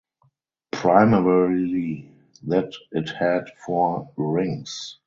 Primarily that it had four rings.